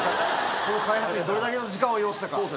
この開発にどれだけの時間を要したか。